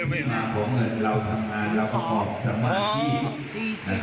ที่หมาของเงินเราทำงานรับประกอบจำนวนอาทิตย์